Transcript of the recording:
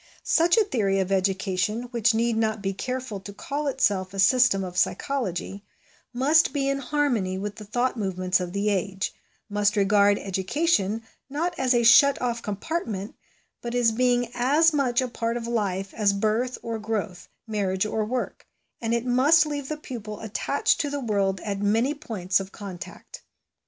Such a theory of education, which need not be careful to call itself a system of psychology, must be in harmony with the thought movements of the age ; must regard education, not as a shut off compartment, but as being as much a part of life as birth or growth, marriage or work ; and it must leave the pupil attached to the world at many points of contact.